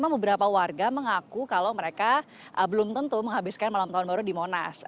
beberapa warga mengaku kalau mereka belum tentu menghabiskan malam tahun baru di monas